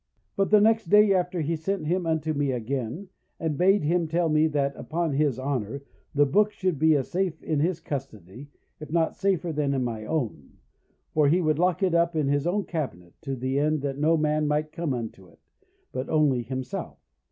"But the next day after he sent him unto me again, and bade him tell me that, upon his honour, the book should be as safe in his custody, if not safer than in mine own; for he would lock it up in his own cabinet, to the end no man might come unto it, but only himself.